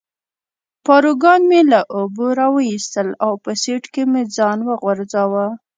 پاروګان مې له اوبو را وویستل او په سیټ کې مې ځان وغورځاوه.